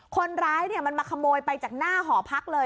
คนร้ายมันมาขโมยไปจากหน้าหอพักเลย